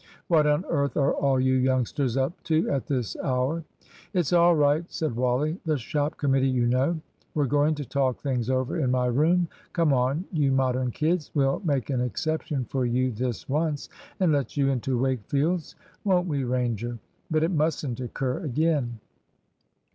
"What on earth are all you youngsters up to at this hour?" "It's all right," said Wally. "The shop committee, you know. We're going to talk things over in my room. Come on, you Modern kids. We'll make an exception for you this once, and let you into Wakefield's; won't we, Ranger? But it mustn't occur again."